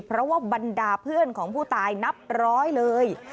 เพราะว่าบรรดาเพื่อนของผู้ตายนับร้อยเลย